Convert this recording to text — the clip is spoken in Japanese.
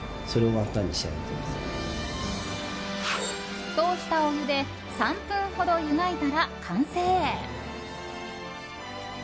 沸騰したお湯で３分ほど湯がいたら完成。